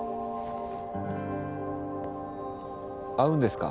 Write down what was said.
会うんですか？